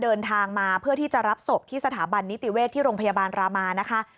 เดินทางมาเพื่อที่จะรับศพที่สถาบันนิติเวชที่โรงพยาบาลรามานะคะ